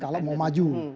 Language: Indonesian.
kalau mau maju